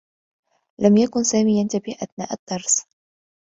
لم يكن سامي ينتبه أثناء الدّرس.